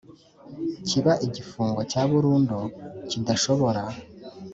kiba igifungo cya burundu kidashobora